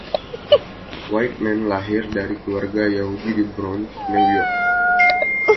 Whitman lahir dari keluarga Yahudi di Bronx, New York.